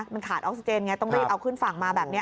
มันขาดออกซิเจนไงต้องรีบเอาขึ้นฝั่งมาแบบนี้